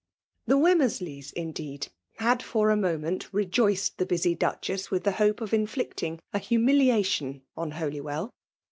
The Wemmersleys, indeed, had for a mo ment rejoiced the busy Duchess with the hope of inflicting an humiliation on Holywell.